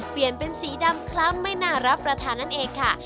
เปลี่ยนเป็นสีดำคล้ำไม่น่ารับประทานนั่นเองค่ะ